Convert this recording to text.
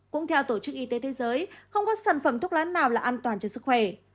cũng theo tổ chức y tế thế giới không có sản phẩm thuốc lá nào là an toàn cho sức khỏe